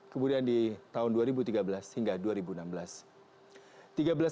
kemudian di tahun dua ribu tiga belas hingga dua ribu enam belas